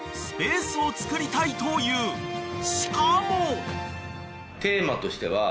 ［しかも］